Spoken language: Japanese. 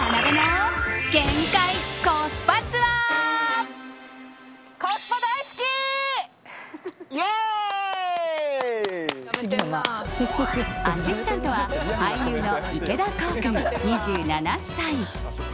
アシスタントは俳優の池田航君、２７歳。